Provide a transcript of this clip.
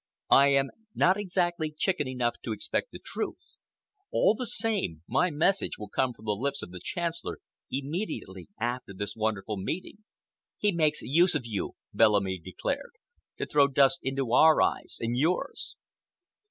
I am not exactly chicken enough to expect the truth. All the same, my message will come from the lips of the Chancellor immediately after this wonderful meeting." "He makes use of you," Bellamy declared, "to throw dust into our eyes and yours."